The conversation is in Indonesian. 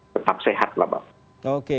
tetap sehat lah pak